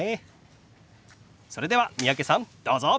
それでは三宅さんどうぞ！